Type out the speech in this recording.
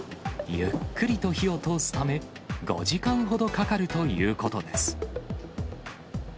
ゆっくりと火を通すため、５時間ほどかかるということです。